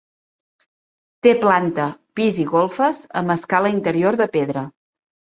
Té planta, pis i golfes, amb escala interior de pedra.